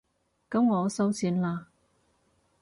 噉我收線喇